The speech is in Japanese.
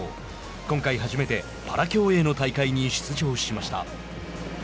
今回、初めてパラ競泳の大会に出場しました。